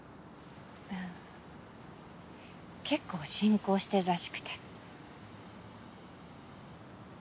うん結構進行してるらしくて。